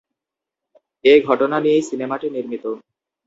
এ ঘটনা নিয়েই সিনেমাটি নির্মিত।